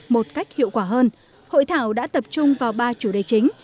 một cách hiệu quả hơn hội thảo đã tập trung vào ba chủ đề chính